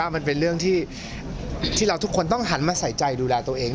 มันเป็นเรื่องที่เราทุกคนต้องหันมาใส่ใจดูแลตัวเอง